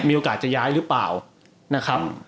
มีโอกาสจะย้ายหรือเปล่านะครับ